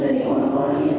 dari orang orang yang